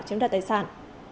chiếm đặt tài sản